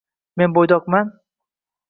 Men buydoqman va ehtiyojim unchalik katta emas